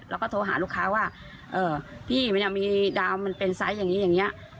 แล้วก็โทรหาลูกค้าว่าพี่มันยังมีดาวมันเป็นไซส์อย่างนี้อย่างนี้